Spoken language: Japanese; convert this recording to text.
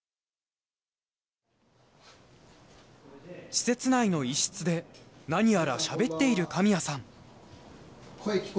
施設内の一室で何やらしゃべっている神谷さん。